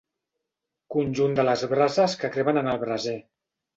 Conjunt de les brases que cremen en el braser.